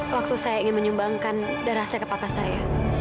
waktu saya ingin menyumbangkan darah saya ke papa saya